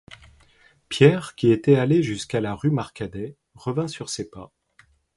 Pierre, qui était allé jusqu'à la rue Marcadet, revint sur ses pas.